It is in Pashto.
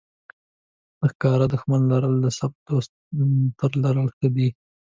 د ښکاره دښمن لرل د پټ دوست تر لرل ښه دي.